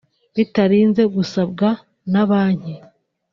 bitarinze gusabwa na banki